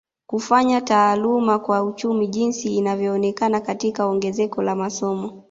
Kufanywa taaluma kwa uchumi jinsi inavyoonekana katika ongezeko la masomo